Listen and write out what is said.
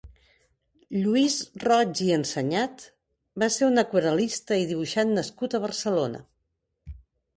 Lluís Roig i Enseñat va ser un aquarel·lista i dibuixant nascut a Barcelona.